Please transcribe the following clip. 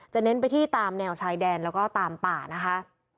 เน้นไปที่ตามแนวชายแดนแล้วก็ตามป่านะคะ